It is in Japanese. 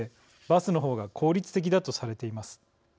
バスの方が効率的だとされています。